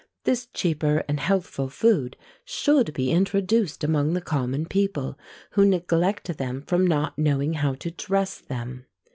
This cheaper and healthful food should be introduced among the common people, who neglect them from not knowing how to dress them.